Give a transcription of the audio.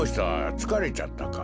つかれちゃったか？